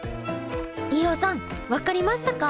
飯尾さん分かりましたか？